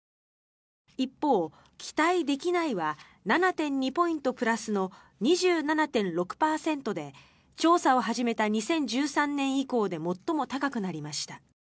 一方、期待できないは７．２ポイントプラスの２７．６％で調査を始めた２０１３年以降で最も高くなりました。